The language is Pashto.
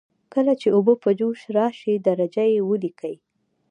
کله چې اوبه په جوش راشي درجه یې ولیکئ.